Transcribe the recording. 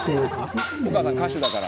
「お母さん歌手だから」